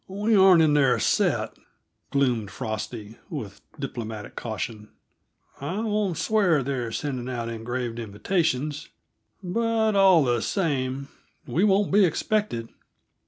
"We aren't in their set," gloomed Frosty, with diplomatic caution. "I won't swear they're sending out engraved invitations, but, all the same, we won't be expected."